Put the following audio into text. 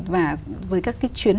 và với các cái chuyến